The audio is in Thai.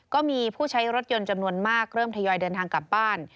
ก็มีผู้ใช้รถยนต์จำนวนมากเริ่มทยอยเดินทางกลับบ้าน